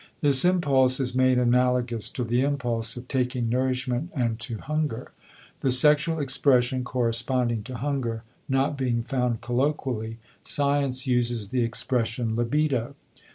This impulse is made analogous to the impulse of taking nourishment, and to hunger. The sexual expression corresponding to hunger not being found colloquilly, science uses the expression "libido."